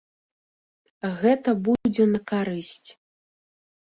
Гэта будзе на карысць.